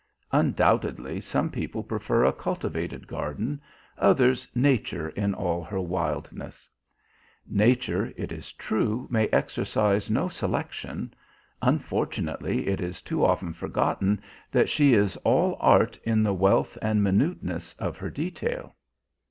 Undoubtedly, some people prefer a cultivated garden, others nature in all her wildness. Nature, it is true, may exercise no selection; unfortunately it is too often forgotten that she is all art in the wealth and minuteness of her detail.